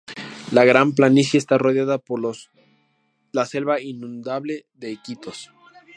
La Gran Planicie está rodeada por la selva inundable de Iquitos.